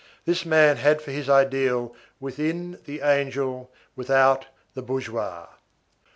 This man had for his ideal, within, the angel, without, the bourgeois.